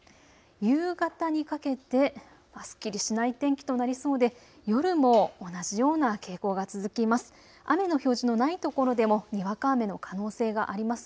夕方にかけてすっきりしない天気となりそうで夜も同じような傾向が続きます。